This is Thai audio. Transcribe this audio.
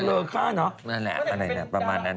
โอเคนั่นแหละอะไรเนี่ยประมาณนั้น